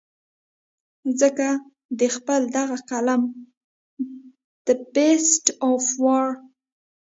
ځکه د خپل دغه فلم The Beast of War